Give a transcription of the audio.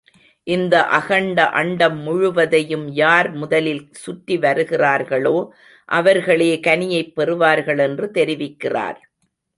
இந்த அகண்ட அண்டம் முழுவதையும் யார் முதலில் சுற்றி வருகிறார்களோ, அவர்களே கனியைப் பெறுவார்கள் என்று தெரிவிக்கிறார்.